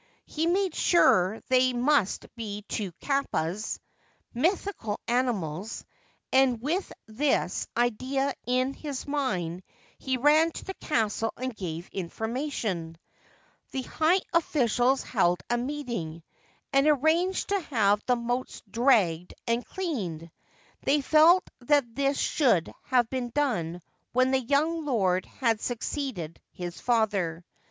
He made sure they must be two kappas (mythical animals), and with this idea in his mind he ran to the castle and gave information. 270 The Spirit of the Lotus Lily The high officials held a meeting, and arranged to have the moats dragged and cleaned ; they felt that this should have been done when the young lord had succeeded his father.